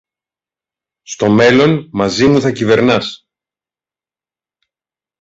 Στο μέλλον, μαζί μου θα κυβερνάς.